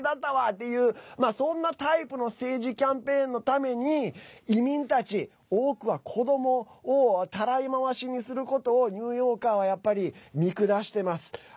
みたいなそんなタイプの政治キャンペーンのために移民たち、多くは子どもをたらい回しにすることをニューヨーカーはやっぱり見下してます。